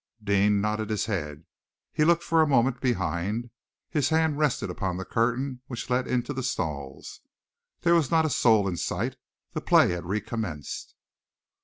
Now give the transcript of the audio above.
Deane nodded his head. He looked for a moment behind. His hand rested upon the curtain which led into the stalls. There was not a soul in sight. The play had recommenced.